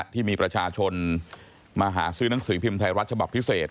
ที่มีประชาชนมาหาซื้อหนังสือพิมพ์ไทยรัฐฉบับพิเศษ